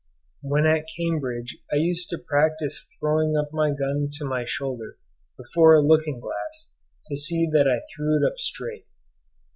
When at Cambridge I used to practise throwing up my gun to my shoulder before a looking glass to see that I threw it up straight.